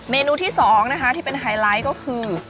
เมนูที่๒นะคะที่เป็นไฮไลท์ก็คือ